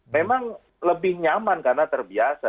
memang lebih nyaman karena terbiasa